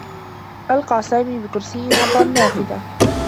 ألقى سامي بكرسيّ عبر النّافذة.